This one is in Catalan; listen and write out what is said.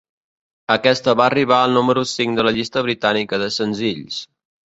Aquesta va arribar al número cinc de la llista britànica de senzills.